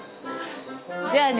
じゃあね。